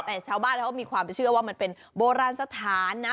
แต่ชาวบ้านเขามีความเชื่อว่ามันเป็นโบราณสถานนะ